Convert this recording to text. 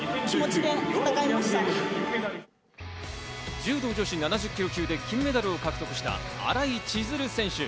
柔道女子７０ｋｇ級で金メダルを獲得した新井千鶴選手。